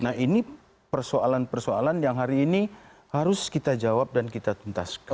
nah ini persoalan persoalan yang hari ini harus kita jawab dan kita tuntaskan